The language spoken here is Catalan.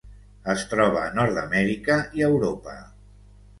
Es troba a Nord-amèrica i Europa.